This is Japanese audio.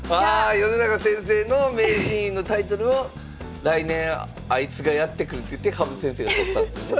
米長先生の名人位のタイトルを来年あいつがやって来るっていって羽生先生が取ったんですよね？